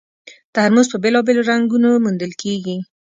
ترموز په بېلابېلو رنګونو موندل کېږي.